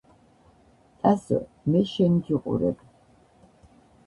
ტასო მე შენ გიყურებ